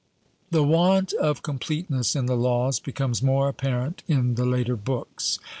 The want of completeness in the Laws becomes more apparent in the later books.